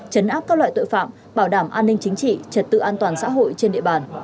chấn áp các loại tội phạm bảo đảm an ninh chính trị trật tự an toàn xã hội trên địa bàn